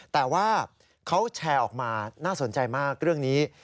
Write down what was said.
แต่ว่าเขาแชร์ออกมาน่าสนใจมากเรื่องนี้